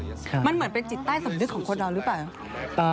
มันเหมือนเป็นจิตใต้สำนึกของคนเราหรือเปล่า